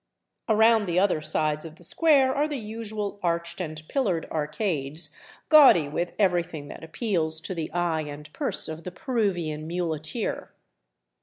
Around the other sides of the square are the usual arched and pillared arcades, gaudy with every thing that appeals to the eye and purse of the Peruvian muleteer.